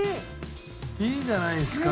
いいじゃないですか。